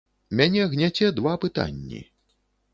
Мяне гняце два пытанні.